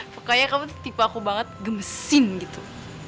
pokoknya kamu tipe aku banget gemesin gitu